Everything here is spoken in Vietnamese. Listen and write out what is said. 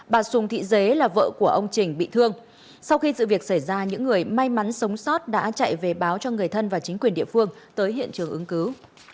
bà sùng thị dế là vợ của ông trình bị thương sau khi sự việc xảy ra những người may mắn sống sót đã chạy về báo cho người thân và chính quyền địa phương tới hiện trường ứng cứu